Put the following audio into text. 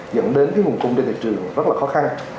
dẫn đến cái nguồn cung trên thị trường rất là khó khăn